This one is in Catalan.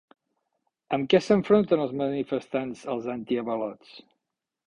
Amb què s'enfronten els manifestants als antiavalots?